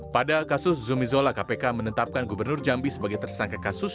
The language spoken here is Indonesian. pada kasus zumi zola kpk menetapkan gubernur jambi sebagai tersangka kasus